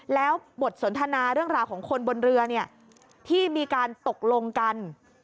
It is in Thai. แล้วบทสนทนาเรื่องราวของคนบนเรือที่มีการตกลงกัน